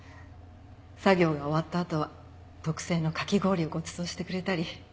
作業が終わったあとは特製のかき氷をごちそうしてくれたり。